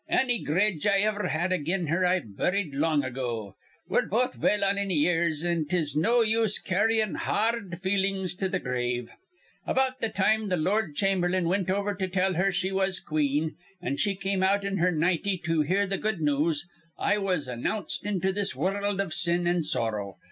Anny gredge I iver had again her I burrid long ago. We're both well on in years, an' 'tis no use carrying har rd feelin's to th' grave. About th' time th' lord chamberlain wint over to tell her she was queen, an' she came out in her nitey to hear th' good news, I was announced into this wurruld iv sin an' sorrow.